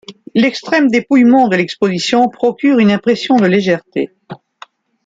L'extrême dépouillement de l'exposition procure une impression de légèreté.